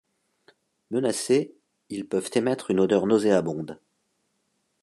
Menacés, ils peuvent émettre une odeur nauséabonde.